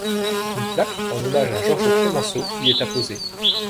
Une plaque en hommage à Georges Clemenceau y est apposée.